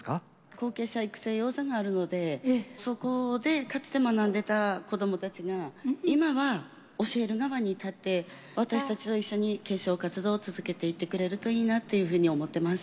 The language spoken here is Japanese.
後継者育成講座があるのでそこでかつて学んでた子どもたちが今は教える側に立って私たちと一緒に継承活動を続けていってくれるといいなっていうふうに思ってます。